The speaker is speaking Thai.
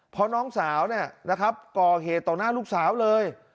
เพราะน้องสาวก่อเหตุต่อหน้าลูกสาวเลย